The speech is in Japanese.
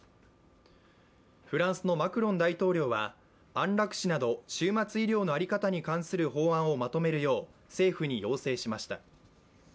フランスのマクロン大統領は安楽死など終末医療の在り方に関する法案をまとめるよう政府に要請しました。